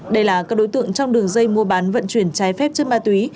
đây là các đối tượng trong đường dây mua bán vận chuyển trái phép chất ma túy